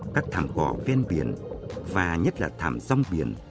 các thảm cỏ ven biển và nhất là thảm rong biển